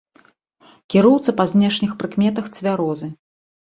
Кіроўца па знешніх прыкметах цвярозы.